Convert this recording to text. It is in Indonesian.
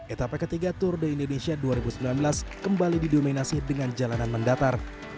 etapa ketiga tour de indonesia dua ribu sembilan belas kembali didominasi dengan jalanan mendatar